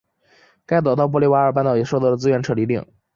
该岛到波利瓦尔半岛也收到了自愿撤离令。